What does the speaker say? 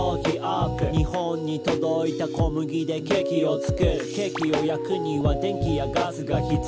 「日本に届いた小麦でケーキを作る」「ケーキを焼くには電気やガスが必要」